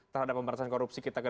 terhadap pemberantasan korupsi